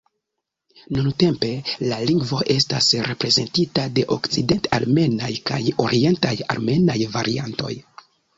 Nuntempe, la lingvo estas reprezentita de okcident-armenaj kaj orientaj armenaj variantoj.